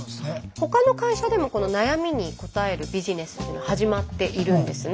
他の会社でもこの悩みに応えるビジネスというのは始まっているんですね。